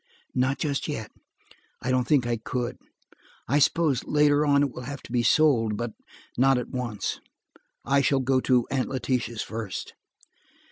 "Not just yet; I don't think I could. I suppose, later, it will have to be sold, but not at once. I shall go to Aunt Letitia's first."